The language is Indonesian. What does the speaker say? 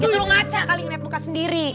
dia selalu ngaca kali ngeliat muka sendiri